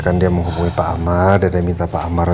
kalau gitu mama jadi lebih legano